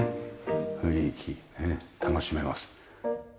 雰囲気ね楽しめます。